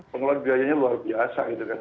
pengelolaan biayanya luar biasa gitu kan